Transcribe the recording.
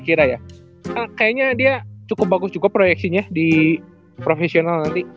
kayaknya dia cukup bagus juga proyeksinya di profesional nanti